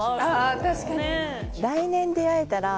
あ確かに。